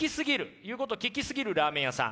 言うことを聞きすぎるラーメン屋さん。